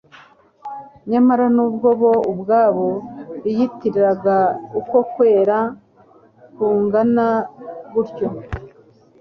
Nyamara nubwo bo ubwabo biyitiriraga uko kwera kungana gutyo,